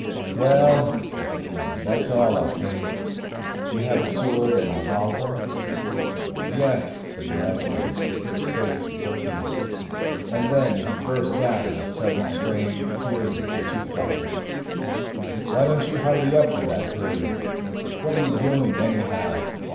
"Well," said Lean, "that's all, I think. You have his sword and revolver?" "Yes," said the adjutant, his face working, and then he burst out in a sudden strange fury at the two privates. "Why don't you hurry up with that grave? What are you doing, anyhow?